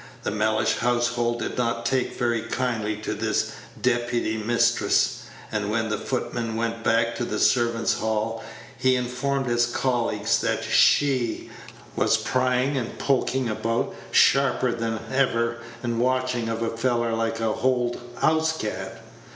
The Mellish household did not take very kindly to this deputy mistress; and when the footman went back to the servants' hall, he informed his colleagues that SHE was pryin' and pokin' about sharper than hever, and watchin' of a feller like a hold 'ouse cat.